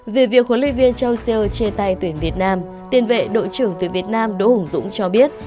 vì việc huấn luyện viên jussier chê tay tuyển việt nam tiền vệ đội trưởng tuyển việt nam đỗ hùng dũng cho biết